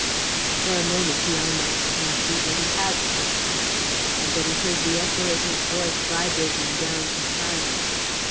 For a moment he almost fancied that he had spoken them, and that he heard the echo of his voice vibrating down to silence.